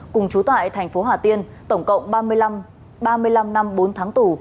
cùng chú tại thành phố hà tiên tổng cộng ba mươi năm năm bốn tháng tù